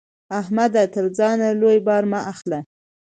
احمده! تر ځان لوی بار مه اخله.